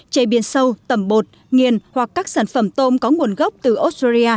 chế biến sâu tẩm bột nghiền hoặc các sản phẩm tôm có nguồn gốc từ australia